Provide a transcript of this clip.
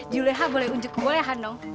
juleha boleh unjuk boleh hanong